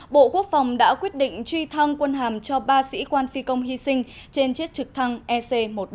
bộ quốc phòng đã quyết định truy thăng quân hàm cho ba sĩ quan phi công hy sinh trên chiếc trực thăng ec một trăm ba mươi